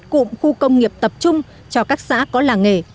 cụm khu công nghiệp tập trung cho các xã có làng nghề